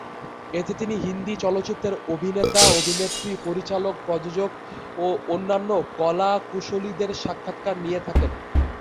এতে তিনি হিন্দি চলচ্চিত্রের অভিনেতা, অভিনেত্রী, পরিচালক, প্রযোজক, ও অন্যান্য কলাকুশলীদের সাক্ষাৎকার নিয়ে থাকেন।